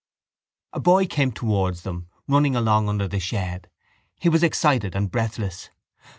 A boy came towards them, running along under the shed. He was excited and breathless.